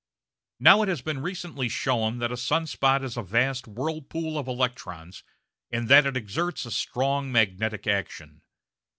Now it has been recently shown that a sun spot is a vast whirlpool of electrons and that it exerts a strong magnetic action.